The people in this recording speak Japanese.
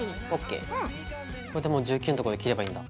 これでもう１９のとこで切ればいいんだ。